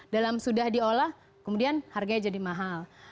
dalam sudah diolah kemudian harganya jadi mahal